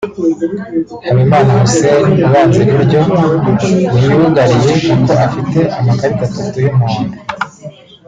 Habimana Hussein (Ubanza iburyo) ntiyugariye kuko afite amakarita atatu y'umuhondo